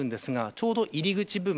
ちょうど入り口部分